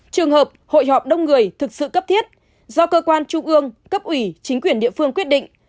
trường hợp hội họp đông người thực sự cấp thiết do cơ quan trung ương cấp ủy chính quyền địa phương quyết định